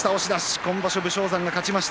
今場所は武将山が勝ちました。